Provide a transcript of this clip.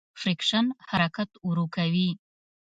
فریکشن حرکت ورو کوي.